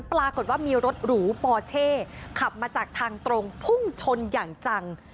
ปรากฏว่ามีรถหรูปอเช่ขับมาจากทางตรงพุ่งชนอย่างจัง